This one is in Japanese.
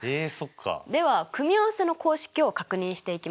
では組合せの公式を確認していきますね。